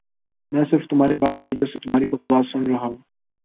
میں صرف تمہارے باپ کی وجہ سے تمہاری بکواس سن ربا